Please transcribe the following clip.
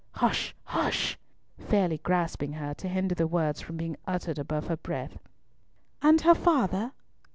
"Hush! hush!" fairly grasping her to hinder the words from being uttered above her breath. "And her father?"